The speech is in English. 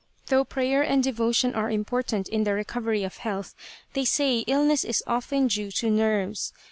. though prayer and devotion are important in the recovery of health, they say illness is often due to nerves.